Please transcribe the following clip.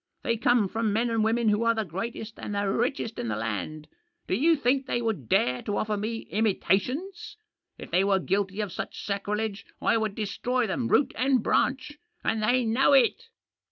They come from men and women who are the greatest and the richest in the land. Do you think they would dare to offer me imitations ? If they were guilty of such sacrilege I would destroy them root and branch. And they know it!"